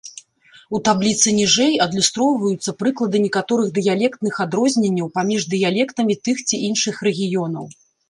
У табліцы ніжэй адлюстроўваюцца прыклады некаторых дыялектных адрозненняў паміж дыялектамі тых ці іншых рэгіёнаў.